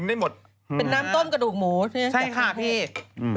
ใช่ต้มแซ่บ